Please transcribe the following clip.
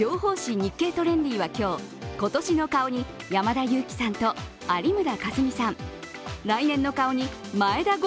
「日経トレンディ」は今日、今年の顔に山田裕貴さんと有村架純さん来年の顔に眞栄田郷